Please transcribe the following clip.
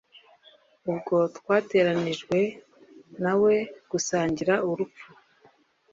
ubwo twateranijwe na we gusangira urupfu